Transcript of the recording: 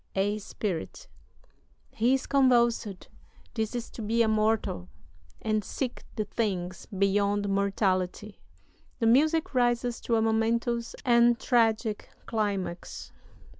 "A SPIRIT. He is convulsed. This is to be a mortal, And seek the things beyond mortality." The music rises to a momentous and tragic climax.